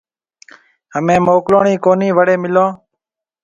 هميَ موڪلوڻِي ڪونِي وَڙي ملون